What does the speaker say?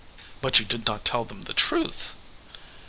"But you did not tell them the truth?"